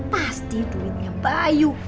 pasti duitnya bayu